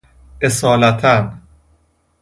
اصالتا ً